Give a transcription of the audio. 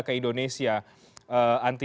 ke indonesia anti